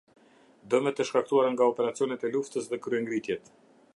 Dëmet e shkaktuara nga operacionet e luftës dhe kryengritjet.